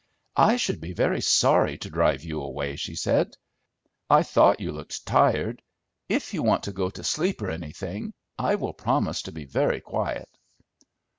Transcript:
"I should be very sorry to drive you away," she said. "I thought you looked tired. If you want to go to sleep, or anything, I will promise to be very quiet."